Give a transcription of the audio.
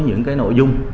những cái nội dung